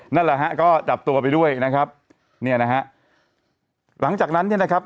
นั่นแหละฮะก็จับตัวไปด้วยนะครับเนี่ยนะฮะหลังจากนั้นเนี่ยนะครับ